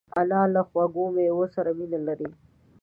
انا له خوږو مېوو سره مینه لري